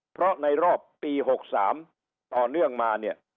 เพราะในรอบปี๖๓ต่อเนื่องมาเนี่ย